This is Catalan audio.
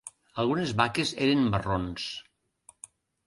Algunes vaques eren marrons.